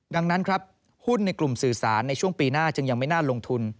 ดังนั้นครับหุ้นในกลุ่มสื่อสารในช่วงปีหน้าจึงยังไม่น่าลงทุน